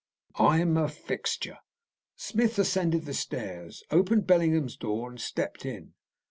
"I'm a fixture." Smith ascended the stairs, opened Bellingham's door and stepped in.